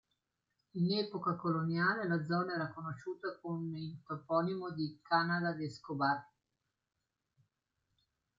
In epoca coloniale la zona era conosciuta con il toponimo di "Cañada de Escobar".